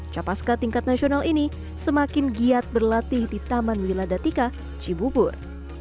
capaska tingkat nasional ini semakin giat berlatih di taman wiladatika cibubur